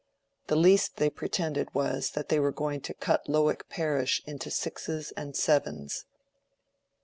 The least they pretended was that they were going to cut Lowick Parish into sixes and sevens.